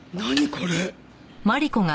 これ。